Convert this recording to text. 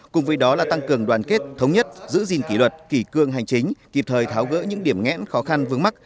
cùng với đó là tăng cường đoàn kết thống nhất giữ gìn kỷ luật kỷ cương hành chính kịp thời tháo gỡ những điểm ngẽn khó khăn vướng mắt